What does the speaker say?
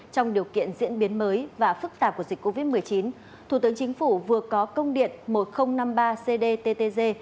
trong điều kiện diễn biến mới và phức tạp của dịch covid một mươi chín thủ tướng chính phủ vừa có công điện một nghìn năm mươi ba cdttg